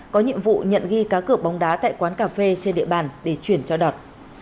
có nhiệm vụ nhận ghi cá cửa bóng đá tại quán cà phê trên địa bàn để chuyển cho đọt